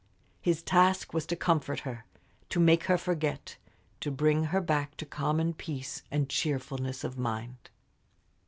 His task was to comfort her, to make her forget, to bring her back to common peace and cheerfulness of mind.